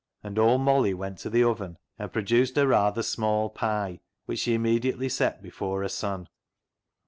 And old Molly went to the oven and produced a rather small pie, which she immediately set before her son.